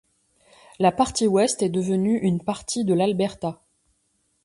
La partie ouest est devenue une partie de l'Alberta.